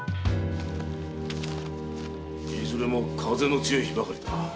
いずれも風の強い日ばかりだ。